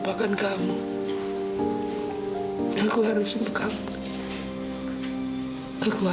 sekarang aku harus gimana